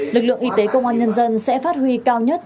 lực lượng y tế công an nhân dân sẽ phát huy cao nhất